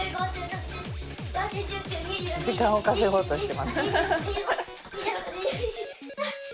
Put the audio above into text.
時間を稼ごうとしてますね。